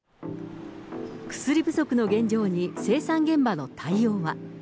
薬不足の現状に生産現場の対応は。